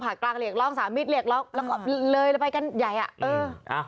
ภาคกลางเรียกรองสามมิตรเรียกรองว่าแบบนี้กันเลยในบทใหญ่ะ